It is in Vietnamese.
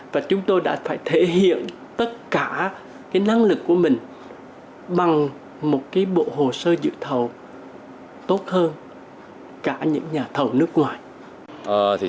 và chúng tôi đã phải thể hiện tất cả năng lực của mình bằng một bộ hồ sơ dự thầu tốt hơn cả những nhà thầu nước ngoài